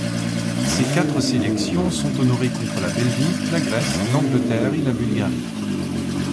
Ses quatre sélections sont honorées contre la Belgique, la Grèce, l'Angleterre et la Bulgarie.